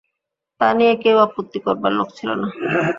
তা নিয়ে কেউ আপত্তি করবার লোক ছিল না।